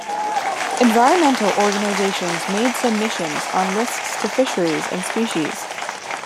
Environmental organizations made submissions on risks to fisheries and species.